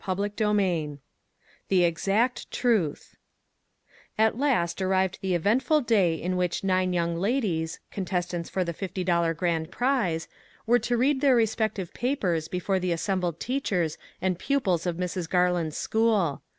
CHAPTER XXIV " THE EXACT TRUTH " AT last arrived the eventful day in which nine young ladies, contestants for the fifty dollar gold prize, were to read their respective papers before the assembled teachers and pupils of Mrs. Garland's school.